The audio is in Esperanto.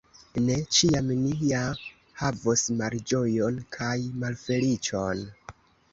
Ne ĉiam ni ja havos malĝojon kaj malfeliĉon!